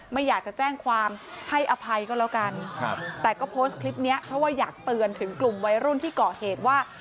ไม่อยากจะแจ้งความให้อภัยก็แล้วกันครับแต่ก็โพสต์คลิปเนี้ยเพราะว่าอยากเตือนถึงกลุ่มวัยรุ่นที่ก่อเหตุว่า